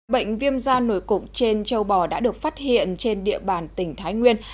bệnh viêm da nổi cục trên châu bò đã được phát hiện trên địa bàn tỉnh thái nguyên